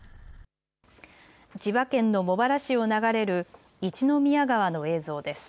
千葉県の茂原市を流れる一宮川の映像です。